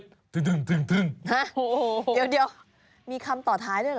เดี๋ยวมีคำต่อท้ายด้วยเหรอ